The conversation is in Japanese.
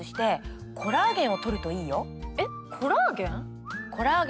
えっコラーゲン？